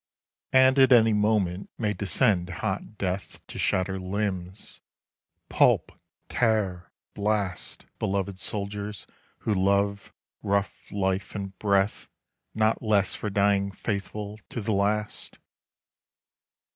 And any moment may descend hot death To shatter limbs! pulp, tear, blast Beloved soldiers who love rough life and breath Not less for dying faithful to the last.